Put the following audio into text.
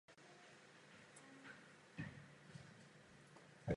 Tento tlak musí pokračovat a je třeba uvalit sankce.